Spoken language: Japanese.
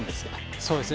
そうですね。